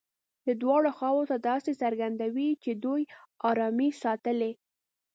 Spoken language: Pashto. دواړو خواوو ته داسې څرګندوي چې دوی ارامي ساتلې.